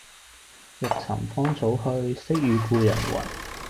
欲尋芳草去，惜與故人違。